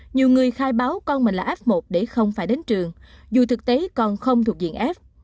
nhiều người khai báo con mình là f một để không phải đến trường dù thực tế còn không thuộc diện f